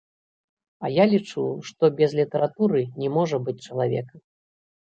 А я лічу, што без літаратуры не можа быць чалавека.